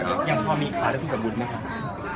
อย่างพอมีอีกครั้งจะพูดกับบุญไหมครับ